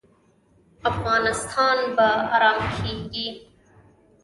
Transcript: افغانستان به ارام کیږي